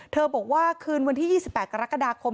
บอกว่าคืนวันที่๒๘กรกฎาคม